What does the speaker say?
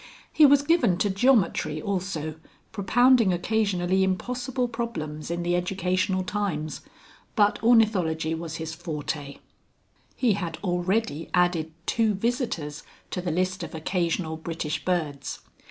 He was given to geometry also, propounding occasionally impossible problems in the Educational Times, but ornithology was his forte. He had already added two visitors to the list of occasional British birds.